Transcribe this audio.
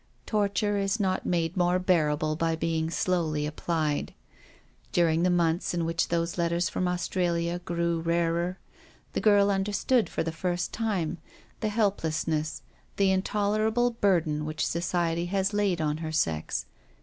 Torture is not made more bearable by being slowly applied. During the months in which those letters from Australia grew rarer, the girl understood for the first time the helpless* 48 THE STORY OF A MODERN WOMAN. ness, the intolerable burden which society has laid on her sex.